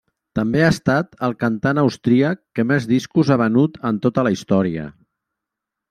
També ha estat el cantant austríac que més discos ha venut en tota la història.